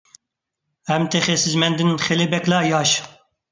ھەم تېخى سىز مەندىن خېلى بەكلا ياش.